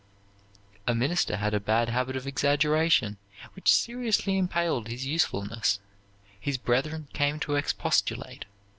A minister had a bad habit of exaggeration, which seriously impaired his usefulness. His brethren came to expostulate.